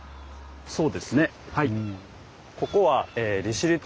そうですねはい。